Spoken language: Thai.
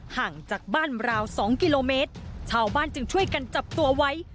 ห่างจากบ้านราวสองกิโลเมตรชาวบ้านจึงช่วยกันจับตัวไว้